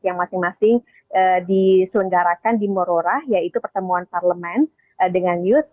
yang masing masing diselenggarakan di morora yaitu pertemuan parlemen dengan youth